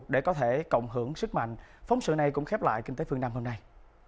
để có thể cộng hưởng sức mạnh phóng sự này cũng khép lại kinh tế phương nam hôm nay